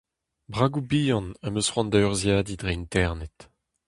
Bragoù-bihan am eus c'hoant da urzhiadiñ dre Internet.